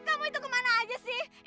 kamu itu ke mana aja sih